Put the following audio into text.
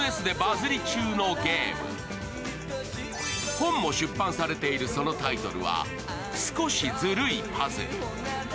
本も出版されているそのタイトルは「すこしずるいパズル」。